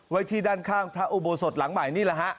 ไว้ที่ด้านข้างพระอุโบสถหลังใหม่นี่แหละฮะ